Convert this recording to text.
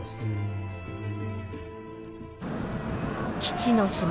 基地の島